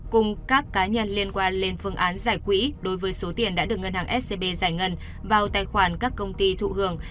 cùng các cá nhân liên quan lên phương án giải quỹ đối với số tiền đã được ngân hàng scb giải ngân vào tài khoản các công ty thụ hưởng